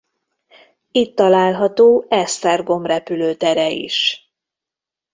Itt található Esztergom repülőtere is.